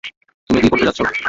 তুমি কী করতে চাচ্ছ?